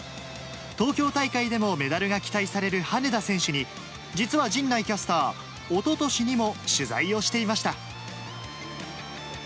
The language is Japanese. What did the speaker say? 東京大会でもメダルが期待される羽根田選手に、実は陣内キャスター、おととしにも取材をしていました。